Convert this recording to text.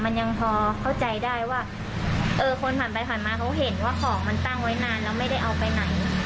มันยังพอเข้าใจได้ว่าเออคนผ่านไปผ่านมาเขาเห็นว่าของมันตั้งไว้นานแล้วไม่ได้เอาไปไหน